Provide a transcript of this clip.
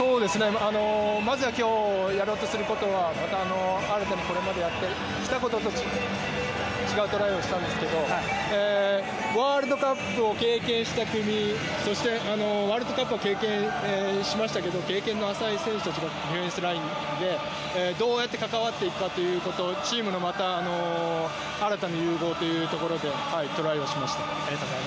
まずは今日やろうとすることはまた新たにこれまでやってきたことと違うトライをしたんですがワールドカップを経験した組そして、ワールドカップを経験しましたけど経験の浅い選手たちのディフェンスラインでどうやって関わっていくかということチームの新たな融合というところでトライをしました。